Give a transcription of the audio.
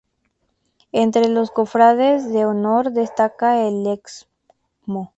Entre los Cofrades de Honor destacan el Excmo.